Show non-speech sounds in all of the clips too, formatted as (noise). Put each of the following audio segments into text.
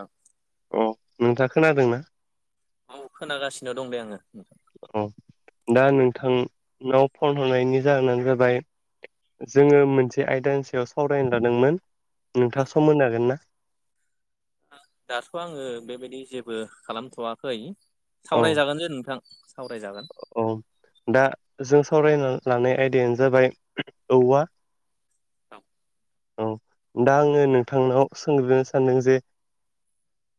ओं अ नोंथाङा खोनादोंना औ खोनागासिनो दं दे आङो औ दा नोंथांनाव फन हरनायनि जाहोनानो जाबाय जोङो मोनसे आयदानि सायाव सावरायनो लादोंमोन नोंथां नोंथाङा सम होनो हागोन ना दाथ' आङो बेबायदि जेबो खालामथ'वाखै औ सावरायजागोन जे नोंथां सावरायजागोन औ दा जों सावरायना लानाय आयदायानो जाबाय औवा औ औ दा आङो नोंथांनाव सोंग्रोनो सानदों जे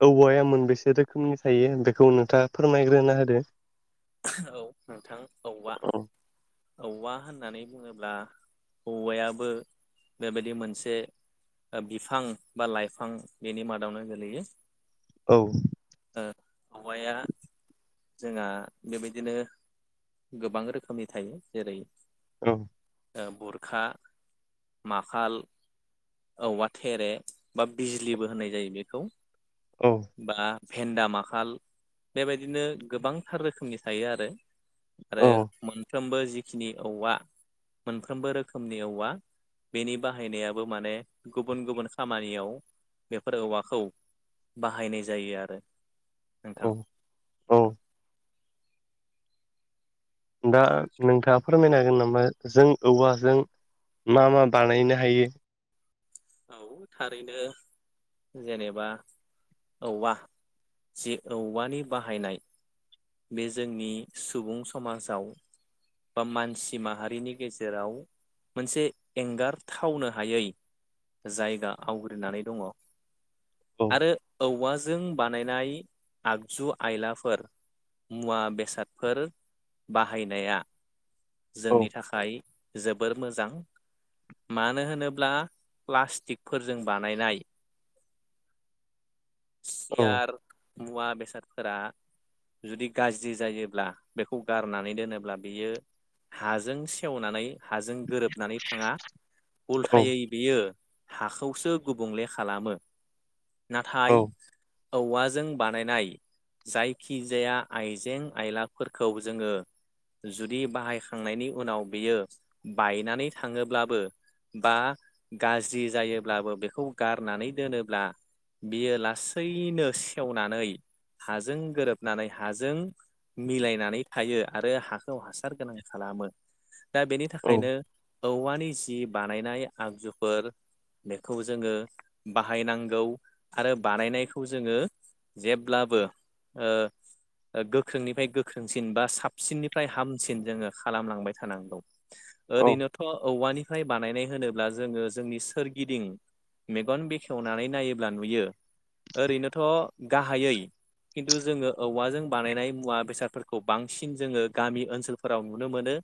औवाया मोनबेसे रोखोमनि थायो बेखौ नोंथाङा फोरमायग्रोना होदो औ नोंथां औवा औ औवा होननानै बुङोब्ला औवायाबो बेबायदि मोनसे ओ बिफां बा लाइफां बेनि मादावनो गोेलैयो औ ओ औवाया जोंहा बेबायदि बिदिनो गोबां रोखोमनि थायो जेरै औ ओ बुरखा माखाल औवा थेरे बा बिजलिबो होननाय जायो बेखौ औ बा भेन्दा माखाल बेबायदिनो गोबांथार रोखोमनि थायो आरो आरो औ मोनफ्रोमबो जिखिनि औवा मोनफ्रोमबो रोखोमनि औवा बेनि बाहायनायाबो माने गुबुन गुबुन खामानियाव बेफोर औवाखौ बाहायनाय जायो आरो नोंथां औ औ दा नोंथाङा फोरमायनो हागोन नामा जों औवाजों मा मा बानायनो हायो औ थारैनो जेनेबा औवा जे औवानि बाहायनाय बे जोंनि सुबुं समाजाव बा मानसि माहारिनि गेजेराव मोनसे एंगारथावनो हायै जायगा आवग्रिनानै दङ औ आरो औवा जों बानायनाय आगजु आयलाफोर मुवा बेसादफोर बाहायनाया औ जोंनि थाखाय जोबोर मोजां मानो होनोब्ला प्लास्टिकफोरजों बानायनाय सियार मुवा बेसादफोरा जुदि गाज्रि जायोब्ला बेखौ गारनानै दोनोब्ला बियो हाजों सेवनानै हाजों गोरोबनानै थाङा उल्थायै बेयो। हाखौसो गुबुंले खालामो नाथाय औवाजों बानायनाय जायखिजाया आइजें आयलाफोरखौ जोङो। जुदि बाहायखांनायनि उनाव बियो बायनानै थाङोब्लाबो। बा गाज्रि जायोब्लाबो बेखौ गारनानै दोनोब्ला बियो लासैनो सेवनानै हाजों गोरोबनानै हाजों मिलायनानै थायो आरो हाखौ हासार गोनां खालामो। दा बेनि थाखायनो औवानि जि बानायनाय आगजु फोर बेखौ जोङो बाहायनांगौ आरो बानायनायखौ जोङो। जेब्लाबो ओ ओ गोख्रोंनिफ्राय गोख्रोंसिन बा साबसिननिफ्राय हामसिन जोङो खालामलांबाय थानांगौ। ओरैनोथ' औवानिफ्राय बानायनाय होनोब्ला जोङो जोंनि सोरगिदिं मेगन बेखेवनानै नायोब्ला नुयो ओरैनोथ' गाहायै खिन्थु जोङो औवाजों बानायनाय मुवा बेसादफोरखौ बांसिन जोङो गामि ओनसोलफोराव नुनो मोनो।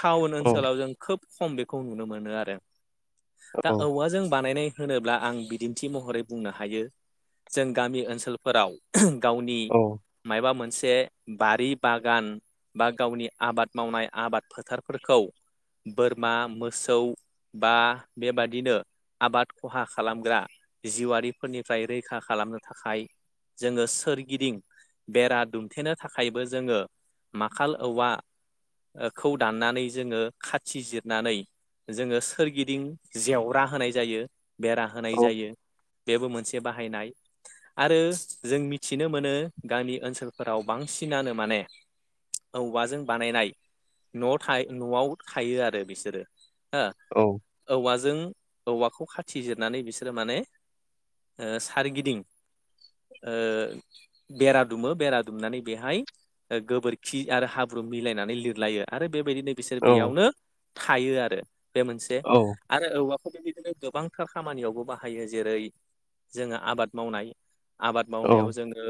टाउन ओनसोलाव जों खोब खम बेखौ नुनो मोनो आरो दा औवाजों बानायनाय। होनोब्ला आं बिदिन्थि महरै बुंनो हायो जों गामि ओनसोलफोराव गावनि मायबा मोनसे बे बारि बागान बा गावनि आबाद मावनाय आबाद फोथारफोरखौ बोरमा मोसौ बा बेबादिनो आबाद खहा खालामग्रा जिउआरारिफोरनिफ्राय रैखा खालामनो थाखाय जोङो सोरगिदिं बेरा दुमथेनो थाखायबो जोङो माखाल औवा खौ दाननानै जोङो खाथि जिरनानै जोङो सोरगिदिं जेवरा होनाय जायो बेरा होनाय जायो बेबो मोनसे बाहायनाय आरो जों मिथिनो मोनो गामि ओनसोलफोराव बांसिनानो माने ए औवाजों बानायनाय न'आव थायो न'आव थायो आरो बिसोरो औ जों औवाखौ खाथि जिरनानै बिसोरो माने ओ सारगिदिं ओ बेरा दुमो बेरा दुमनानै बेहाय ओ गोबोरखि आरो हाब्रु मिलायनानै लिरलायो आरो बेबायदिनो बिसोर बेयावनो थायो आरो बे मोन आरो औवाखौ बेबादि बिदिनो गोबांथार खामानियावबो बाहायो जेरै जोङो आबाद मावनाय। आबाद मावनायाव जोङो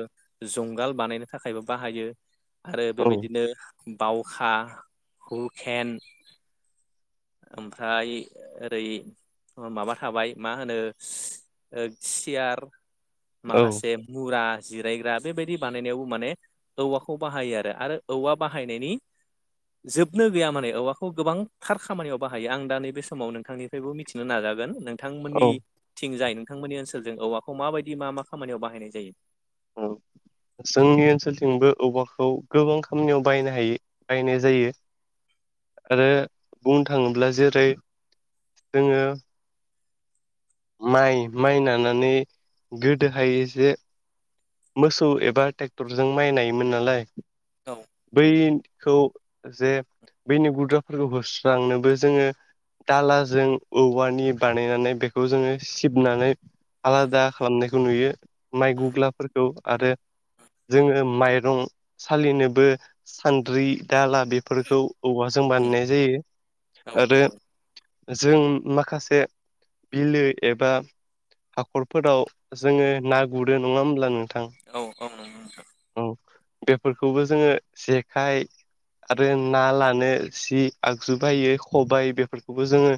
जुंगाल बानायनो थाखायबो बाहायो आरो बेबायदिनो बावखा हुकेन ओमफ्राय ओरै माबा थाबाय मा होनो ओ सियार माखासे मुरा जिरायग्रा बेबायदि बानायनायावबो माने औवाखौ बाहायो आरो आरो औवा बाहायनायनि जोबनो गैया माने औवाखौ गोबां थार खामानियाव बाहायो आं दा नैबे समाव नोंथांनिफ्रायबो मिथिनो नाजागोन नोंथांमोननि थिं जाय नोंथांमोननि ओनसोल ओनोलजों औवाखौ माबायदि मा मा खामानियाव बाहायनाय जायो? औ। जोंनि ओनसोलथिंबो औवाखौ गोबां खामानियाव बायनो हायो बायनाय जायो। आरो बुंनो थाङोब्ला जेरै जोङो माइ माइ नानानै गोदोहाय एसे मोसौ एबा ट्रेक्टरजों माइ नायोमोन नालाय औ बैखौ जे बेनि गुद्राफोरखौ होस्रांनोबो जोङो दालाजों औवानि बानायनानै बेखौ जोङो सिबनानै आलादा खालामनायखौ नुयो। माइ गुग्लाफोरखौ आरो जोङो माइरं सालिनोबो सान्द्रि, दाला बेफोरखौ औवाजों उम बानायनाय जायो। औ आरो नंगौ जों माखासे बिलो एबा हाखरफोराव जोङो ना गुरो नङा होनब्ला नों थां औ औ नंगौ औ बेफोरखौबो जोङो जेखाइ आरो ना लानो सि आगजु बायो खबायाइ बेफोरखौबो जोङो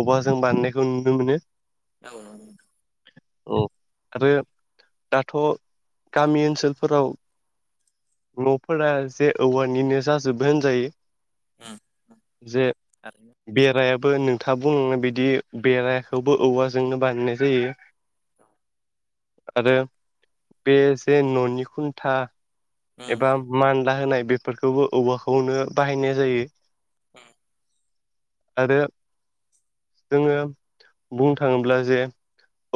औवा जों बानायनायखौ नुनो मोनो। औ। औ। आरो दाथ' गामि ओनसोलफोराव न'फोरा एसे औवानिनो जाजोबो होनजायो। उम जे थारैनो बेराया बो नोंथाङा बुंलांनाय बिदि बेराखौबो औवा जोंनो बानायनाय जायो। आरो बे जे न'नि खुन्था उम एबा मान लाहोनाय बेफोरखौबो औवबाखौनो बाहायनाय जायो। उम आरो जोङो बुंनो थाङोब्ला जे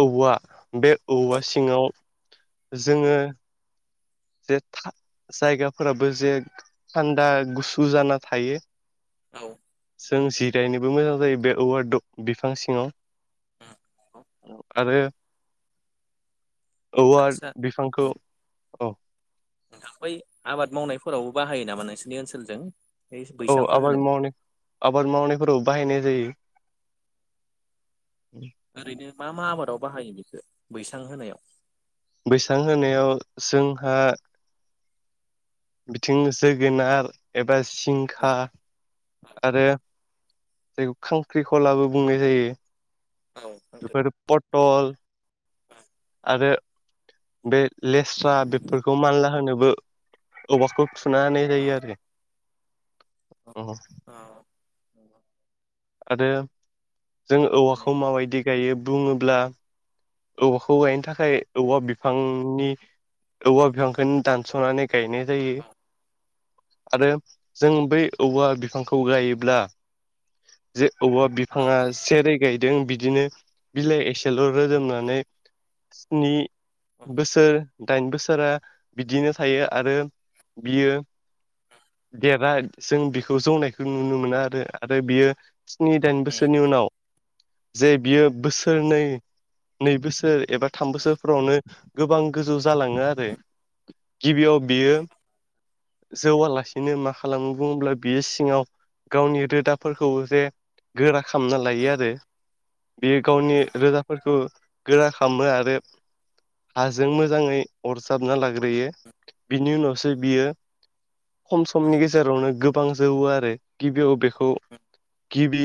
औवा बे औ औवा सिङाव जोङो। जे था जायगाफोराबो जे थान्दा गुसु जाना थायो औ उम जों जिरायनोबो मोजां जायो बे औवा द' बिफां सिङाव नंगौ आरो औ आदसा आरो बिफांखौ उम औ। नोंथां आबाद मावनायफोरावबो बाहायो नामा नोंसोरनि ओनसोलजों बै औ बैसांफोर होनो? आबाद मावनाय आबाद मावनायफोराव बाहायनाय जायो। ओरैनो मा मा आबादाव बाहायो बेखो? बैसां होनायाव बैसां होनायाव जोंहा बिथिं जोगोनार एबा औ सिंखा आरो जायखौ खांख्रिखलाबो बुंनाय जायो औ नोंथां बेफोर पट टल (inaudible) बे लेस्रा बेफोरखौ मानला होनोबो अवाखौ सुनानै जायो आरो। औ औ। आरो जों माने औवाखौ माबायदि गायो बुङोब्ला औवाखौ गायनो थाखाय औवा बिफांनि औवा बिफांखौनो दानस'नानै गायनाय जायो। औ आरो जों बै औवा बिफांखौ गायोब्ला जे औवा औ बिफाङा सेरै गायदों बिदिनो बिलाइ एसेल' रोदोमो नै, स्नि बोसोर दाइन बोसोरा बिदिनो थायो आरो बियो देरा जों बेखौ जौनायखौ नुनो मोना आरो आरो बियो स्नि दाइन बोसोरनि उनाव जे बियो बोसोर नै नै बोसोर एबा थाम बोसोरफोरावनो गोबां गोजौ जालाङो आरो। गिबियाव बियो जौवालासिनो मा खालामो बुङोब्ला बियो सिङाव गावनि रोदाफोरखौ जे गोरा खालामना लायो आरो बेयो गावनि रोदाफोरखौ गोरा खालामो आरो हाजों मोजाङै अरजाबना लाग्रोयो बिनि उनावसो बियो खम समनि गेजेरावनो। गो गबां जौवो आरो गिबियाव बेखौ गिबि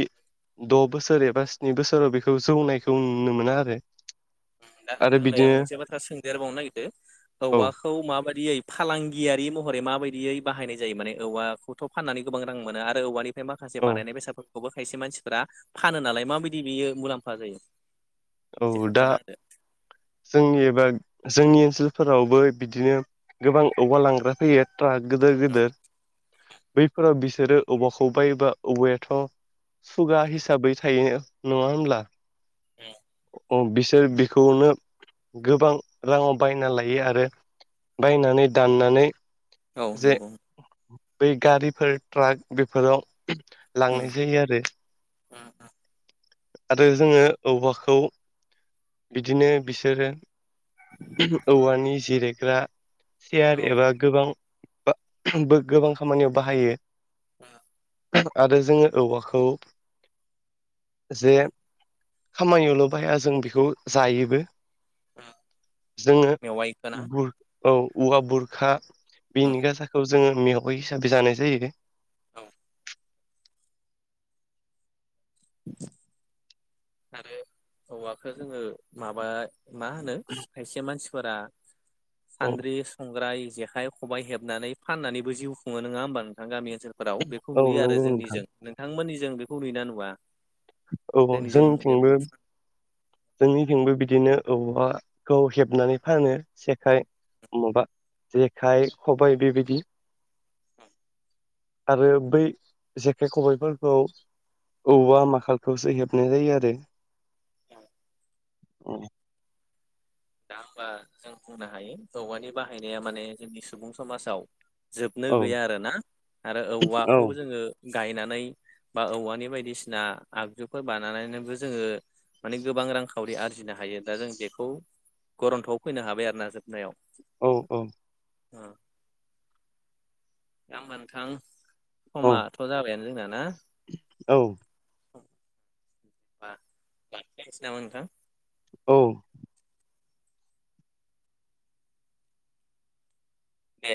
द' बोसोर एबा स्नि बोसोराव बेखौ जौनायखौ नुनो मोनो आरो उम दा आरो नोंथां दायो बिदिनो मोनसे बाथ्रा सोंदेरबावनो नागिरदो औ औवाखौ माबायदियै फालांगियारि महरै माबायदियै बाहायनाय जायो माने औवाखौथ' फाननानै गोबां रां मोनो आरो औवानिफ्राय माखासे औ बानायनाय बेसादफोर खौबो खायसे मानसिफोरा फानो नालाय माबायदि बेयो मुलाम्फा जायो। औ एसे दा खोन्थाना जोंनि एबा जोंनि ओनसोलफोरावबो बिदिनो गोबां औवा लांग्रा फैयो। ट्राक गोदोर गोदोर बैफोराव बिसोरो औवाखौ बायोबा औवायाथ' सुगा हिसाबै थायो नङा होमब्ला? औ बिसोर बेखौनो गोबां राङाव बायना लायो आरो बायनानै दाननानै औ जे नंगौ। बै गारिफोर ट्राक बेफोराव लांनाय जायो आरो। आरो जोङो औवा खौ बिदिनो बिसोरो औवानि जिरायग्रा सेयार औ एबा गोबां (unintelligible) गोबां खामानियाव बाहायो। आरो जोङो औवाखौ जे खामानियाव ल' बाहाया जों बेखौ जायोबो। जोङो मेवाइखौ ना बुर औ औवा बुरखा बेनि गासाखौ जोङो मेयावै हिसाबै जानाय जायो। औ आरो औवाखौ जोङो माबा मा होनो खायसे मानसि फोरा औ सान्द्रि संग्राय जेखाइ खबाइ हेबनानै फाननानैबो जिउ खुो नङा होमबा नोंथां गामि ओन सोलफोराव बेखौ औ नुयो नंगौ आरो जोंनि नोंथां जों नोंथांमोननिजों बेखौ नुयोना नुवा? औ जोंनिजों जोंनिथिंबो बेबायदि जोंनिथिंबो बिदिनो औवाखौ हेबनानै फानो जेखाइ माबा जेखाइ खबाय बेबायदि उम आरो बै जेखाइ खबायफोरखौ औवा माखा खौसो हेबनाय जायो आरो। औ उम दा होम्बा जों बुंनो हायो औवानि बाहायनाया माने जोंनि सुबुं समाजाव जोबनो औ गैया आरोना आरो औ औवाखौ जोङो गायनानै बा औवानि बायदिसिना आगजुफोर बानानानैनोबो जोङो माने गोबां रांखावरि आरजिनो हायो दा जों बेखौ गरन्थआव फैनो हाबाय आरोना जोबनायाव औ औ ओ दा होनबा नोंथां औ समाथ' जाबायानो जोंना ना औ बा (unintelligible) सो नामा नोंथां? औ दे